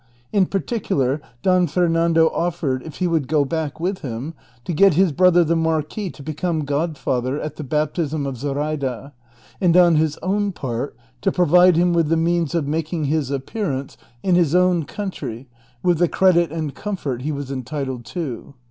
In particular Don Fernando offered, if he would go back with him, to get his brother the marquis to become godfather at the baptism of Zoraida, and on his own part to provide him Avith the means of making his appearance 860 DON QUIXOTE. in his own country witli the credit and comfort he was entitled to.